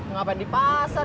ngapain di pasar